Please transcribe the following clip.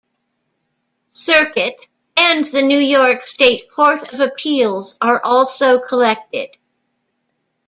Circuit, and the New York State Court of Appeals are also collected.